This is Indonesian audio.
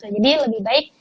jadi lebih baik